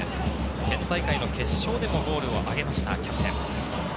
県大会の決勝でもゴールを挙げましたキャプテン。